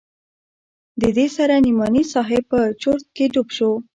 دې سره نعماني صاحب په چورت کښې ډوب سو.